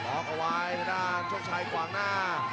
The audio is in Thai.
ออกเอาไว้ทางด้านโชคชัยกวางหน้า